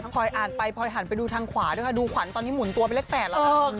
พอยอ่านไปพลอยหันไปดูทางขวาด้วยค่ะดูขวัญตอนนี้หมุนตัวเป็นเลข๘แล้วนะ